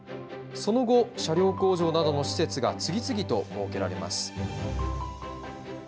その後、車両工場などの施設が次々と設けられます。